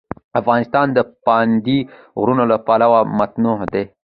افغانستان د پابندی غرونه له پلوه متنوع دی.